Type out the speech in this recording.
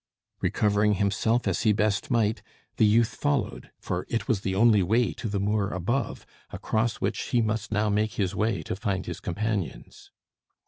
Recovering himself as he best might, the youth followed, for it was the only way to the moor above, across which he must now make his way to find his companions.